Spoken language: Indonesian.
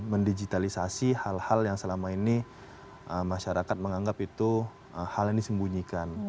mendigitalisasi hal hal yang selama ini masyarakat menganggap itu hal yang disembunyikan